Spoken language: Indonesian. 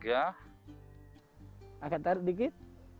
akan taruh sedikit